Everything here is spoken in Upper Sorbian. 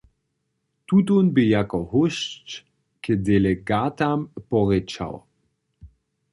Tutón bě jako hósć k delegatam porěčał.